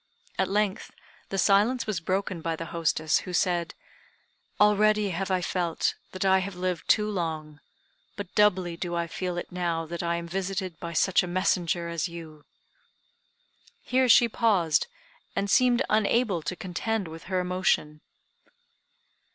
At length the silence was broken by the hostess, who said: "Already have I felt that I have lived too long, but doubly do I feel it now that I am visited by such a messenger as you." Here she paused, and seemed unable to contend with her emotion.